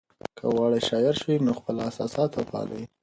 که غواړئ شاعر شئ نو خپل احساسات وپالئ.